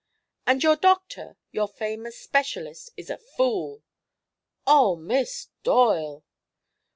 "And your doctor your famous specialist is a fool." "Oh, Miss Doyle!"